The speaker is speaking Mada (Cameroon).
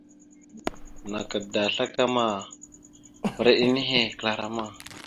Naka da slakama, mbəra iɗe nehe kəla rama.